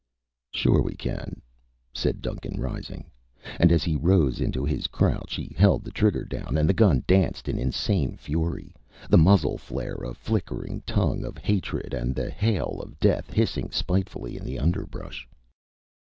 "Sure we can," said Duncan, rising. And as he rose into his crouch, he held the trigger down and the gun danced in insane fury, the muzzle flare a flicking tongue of hatred and the hail of death hissing spitefully in the underbrush.